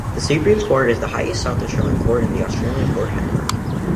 The Supreme Court is the highest South Australian court in the Australian court hierarchy.